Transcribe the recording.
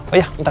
oh iya bentar